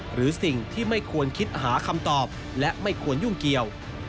หรือสิ่งที่ไม่ควรคิดหาคำตอบและไม่ควรยุ่งเกี่ยว